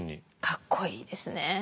かっこいいですね。